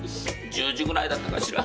１０時ぐらいだったかしら。